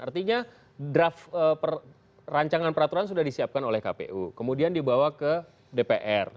artinya draft rancangan peraturan sudah disiapkan oleh kpu kemudian dibawa ke dpr